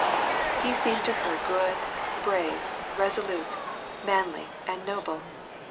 He seemed to her good, brave, reso lute, manly, and noble.